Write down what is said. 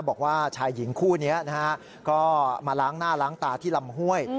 บอกว่าชายหญิงคู่นี้นะฮะก็มาล้างหน้าล้างตาที่ลำห้วย